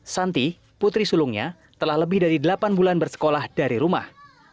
santi putri sulungnya telah lebih dari delapan bulan bersekolah dari rumah